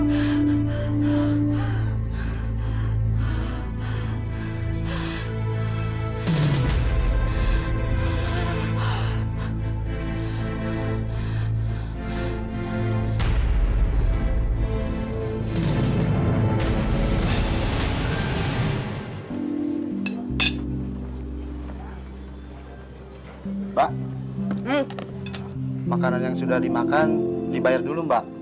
mbak makanan yang sudah dimakan dibayar dulu mbak